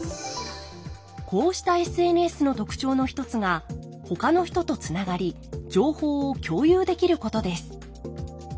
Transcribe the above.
こうしたＳＮＳの特徴の一つがほかの人とつながり情報を共有できることです。